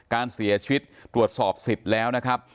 การเสียชีวิตตรวจสอบสิทธิ์แล้วนะครับ